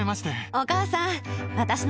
お母さん。